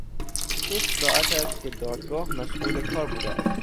شش ساعت است که دادگاه مشغول کار بوده است.